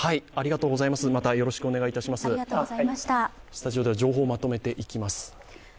スタジオでは情報をまとめていきます。